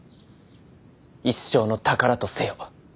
一生の宝とせよ」。